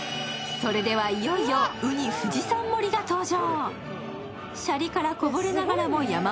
それではいよいように富士山盛りが登場。